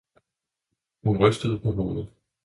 Hun rystede på hovedet.